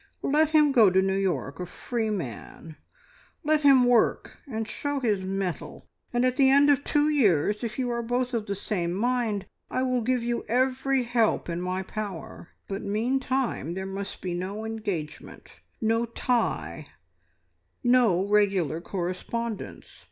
Let him go to New York a free man; let him work and show his mettle, and at the end of two years, if you are both of the same mind, I will give you every help in my power: but meantime there must be no engagement, no tie, no regular correspondence.